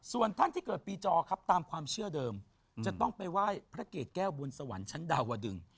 ส่วนท่านที่เกิดปีจอครับตามความเชื่อเดิมจะต้องไปไหว้พระเกรดแก้วบุญสวรรค์ชั้นดาวดึง